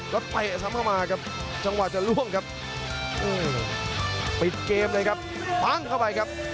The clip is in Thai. แล้วเตะซ้ำเข้ามาครับจังหวะจะล่วงครับปิดเกมเลยครับปั้งเข้าไปครับ